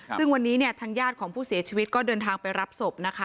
ซึ่งวันนี้เนี่ยทางญาติของผู้เสียชีวิตก็เดินทางไปรับศพนะคะ